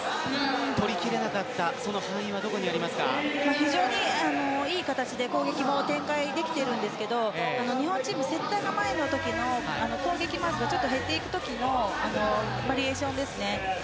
取り切れなかった非常にいい形で攻撃も展開できているんですが日本チームはセッターが前のときの攻撃がちょっと減っていくときのバリエーションですね。